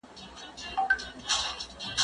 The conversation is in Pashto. کېدای سي کښېناستل اوږدې وي،